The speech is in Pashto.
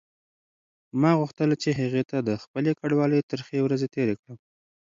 ما غوښتل چې هغې ته د خپلې کډوالۍ ترخې ورځې تېرې کړم.